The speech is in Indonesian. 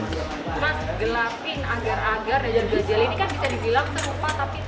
mas gelatin agar agar dan jelly ini kan bisa dibilang serupa tapi tak sama ya